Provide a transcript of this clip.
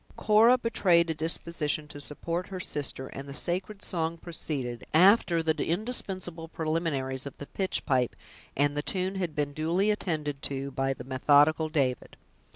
Cora betrayed a disposition to support her sister, and the sacred song proceeded, after the indispensable preliminaries of the pitchpipe, and the tune had been duly attended to by the methodical David.